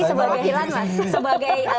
mas eko kuntadi sebagai